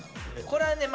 これはね